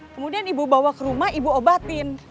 kemudian ibu bawa ke rumah ibu obatin